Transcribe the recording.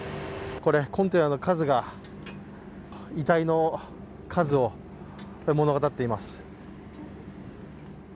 コンテナの数が遺体の数を物語っています。